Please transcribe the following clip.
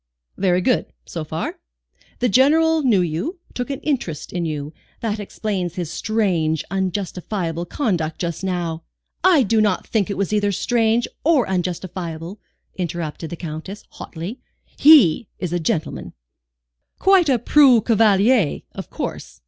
"Very good, so far. The General knew you, took an interest in you. That explains his strange, unjustifiable conduct just now " "I do not think it was either strange or unjustifiable," interrupted the Countess, hotly. "He is a gentleman." "Quite a preux cavalier, of course.